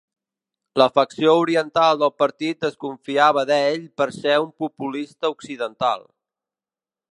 La facció oriental del partit desconfiava d'ell per ser un populista occidental.